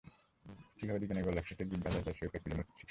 কীভাবে দুজনের গলায় একসাথে গিট বাঁধা যায় সেই উপায় খুঁজে মরছি।